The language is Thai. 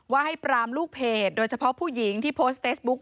ว่าให้ปรามลูกเพจโดยเฉพาะผู้หญิงที่โพสต์เฟซบุ๊ค